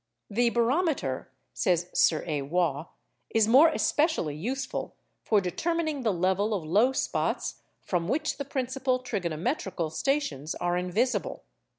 'The barometer,' says Sir A. Waugh, 'is more especially useful for determining the level of low spots from which the principal trigonometrical stations are invisible.